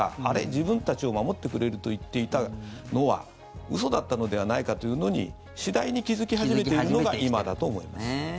自分たちを守ってくれると言っていたのは嘘だったのではないかというのに次第に気付き始めているのが今だと思います。